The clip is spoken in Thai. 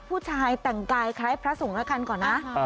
ผู้ชายแต่งกายใคร้พระสงฆ์อย่างกันก่อนนะ